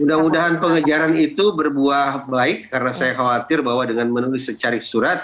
mudah mudahan pengejaran itu berbuah baik karena saya khawatir bahwa dengan menulis secari surat